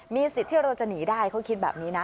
มีสิทธิ์ที่เราจะหนีได้เขาคิดแบบนี้นะ